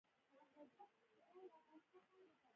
کټ ته مخامخ اوږده او لنډه څوکۍ پرته وه.